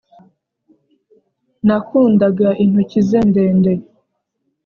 nakundaga intoki ze ndende